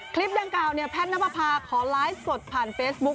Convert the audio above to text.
คลิปดังกล่าวเนี่ยแพทนปภาขอไลน์สดผ่านเฟซบุ๊ก